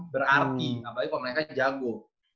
berarti apalagi kalau mereka jago